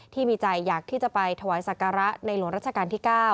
ที่มีใจอยากที่จะไปถวายศักระในหลวงรัชกาลที่๙